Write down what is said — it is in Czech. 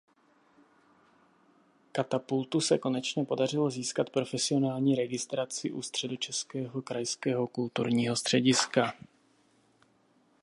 Katapultu se konečně podařilo získat profesionální registraci u Středočeského krajského kulturního střediska.